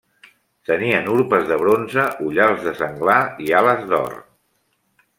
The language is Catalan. Tenien urpes de bronze, ullals de senglar i ales d'or.